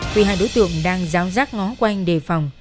khi hai đối tượng đang ráo rác ngó quanh đề phòng